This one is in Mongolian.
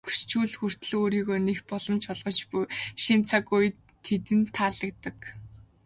Хөгшчүүлд хүртэл өөрийгөө нээх боломж олгож буй энэ шинэ цаг үе тэдэнд таалагддаг.